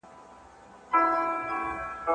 په کوم کتاب کي د ځوانانو لپاره لارښوونې شته؟